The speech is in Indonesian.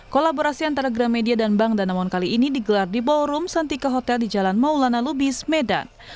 kolaborasi antara gramedia dan bank danamon kali ini digelar di ballroom santika hotel di jalan maulana lubis medan